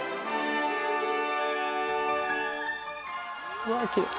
うわあきれい。